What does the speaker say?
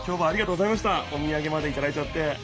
おみやげまでいただいちゃって。